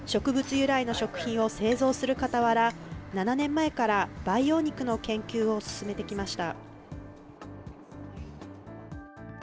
由来の食品を製造する傍ら、７年前から培養肉の研究を進めてきました。